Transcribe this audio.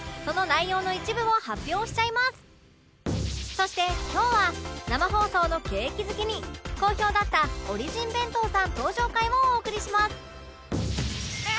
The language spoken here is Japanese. そして今日は生放送の景気づけに好評だったオリジン弁当さん登場回をお送りします